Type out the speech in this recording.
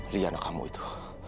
li anak kamu itu